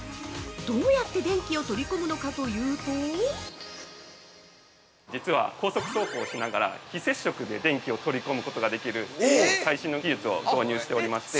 どうやって電気を取り込むのかというと◆実は、高速走行をしながら非接触で電気を取り込むことができる最新の技術を導入しておりまして。